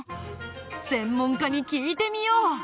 専門家に聞いてみよう！